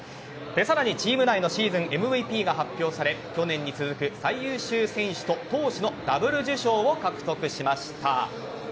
さらにチーム内のシーズンＭＶＰが発表され去年に続く最優秀選手と投手のダブル受賞を獲得しました。